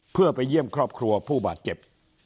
เพื่อไปเยี่ยมครอบครัวผู้บาดเจ็บ